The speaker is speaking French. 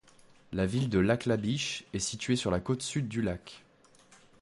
La ville de Lac La Biche est située sur la côte sud du lac.